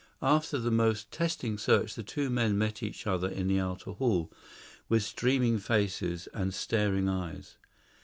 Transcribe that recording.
After the most tearing search the two men met each other in the outer hall, with streaming faces and staring eyes.